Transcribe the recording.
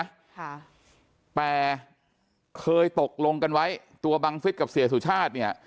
ค่ะแต่เคยตกลงกันไว้ตัวบังฟิศกับเสียสุชาติเนี่ย